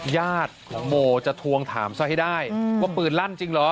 ญาติของโมจะทวงถามซะให้ได้ว่าปืนลั่นจริงเหรอ